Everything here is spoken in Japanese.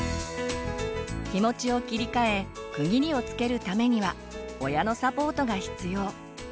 気持ちを切り替え区切りをつけるためには親のサポートが必要。